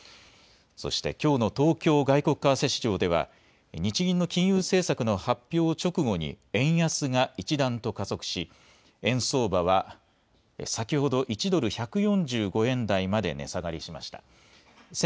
そして、きょうの東京外国為替市場では日銀の金融政策の発表直後に円安が一段と加速し円相場は先ほど１ドル１４５円台まで値下がりしました。